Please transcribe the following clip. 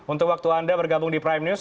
untuk waktu anda bergabung di prime news